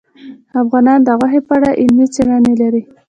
افغانستان د غوښې په اړه علمي څېړنې لري.